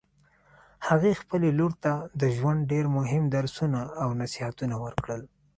هغې خپلې لور ته د ژوند ډېر مهم درسونه او نصیحتونه ورکړل